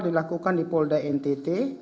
dilakukan di polda ntt